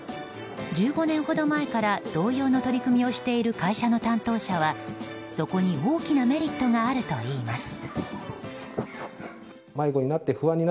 １５年ほど前から同様の取り組みをしている会社の担当者は、そこに大きなメリットがあるといいます。